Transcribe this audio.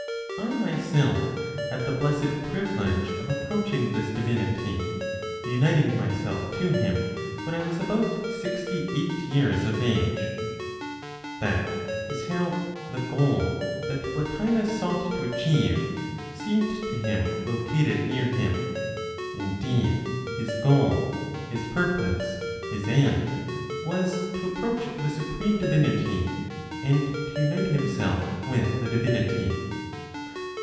I, myself, had the blessed privilege of approaching this divinity, uniting myself to him, when I was about sixty eight years of age. That is how "the goal (that Plotinos sought to achieve) seemed to him located near him." Indeed, his goal, his purpose, his end was to approach the supreme divinity, and to unite himself with the divinity.